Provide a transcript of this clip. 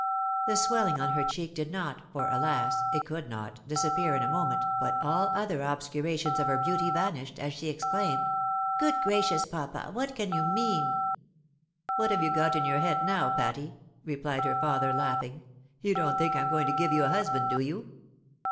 The swelhng on her cheek did not — ^for, alas ! it could not — disappear in a moment, but all other obscurations of her beauty vanished, as she exclaimed, " Good gracious, papa ! what can you mean ?" "What have you got in your head now, Patty?" replied her father, laughing. " You don't think I'm going to give you a husband, do you